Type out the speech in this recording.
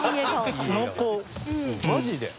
マジで？